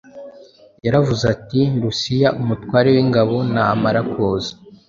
Yaravuze ati: “Lusiya umutware w’ingabo namara kuza,